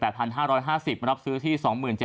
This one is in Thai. ๒๘๕๕๐บาทรับซื้อที่